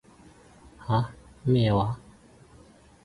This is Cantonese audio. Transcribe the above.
吓？咩嘢話？